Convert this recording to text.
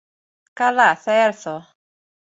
Καλά, θα έρθω.